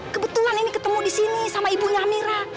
kebetulan ini ketemu disini sama ibunya amira